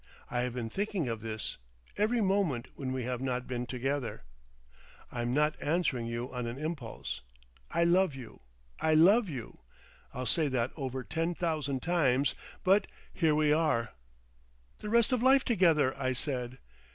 I have been thinking of this—every moment when we have not been together. I'm not answering you on an impulse. I love you. I love you. I'll say that over ten thousand times. But here we are—" "The rest of life together," I said.